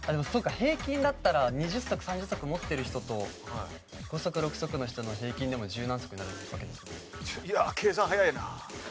平均だったら２０足３０足持ってる人と５足６足の人の平均でも十何足になるわけですもんね。